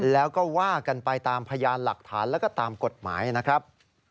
แล้วก็ว่ากันไปตามพยานหลักฐานแล้วก็ตามกฎหมายนะครับ